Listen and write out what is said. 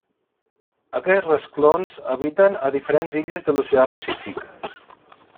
Aquests rasclons habiten a diferents illes de l'Oceà Pacífic.